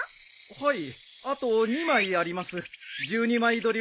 はい！